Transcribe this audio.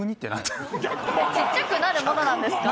ちっちゃくなるものなんですか？